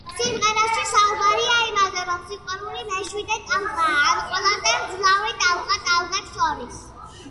სიმღერაში საუბარია იმაზე, რომ სიყვარული მეშვიდე ტალღაა, ან ყველაზე მძლავრი ტალღა ტალღებს შორის.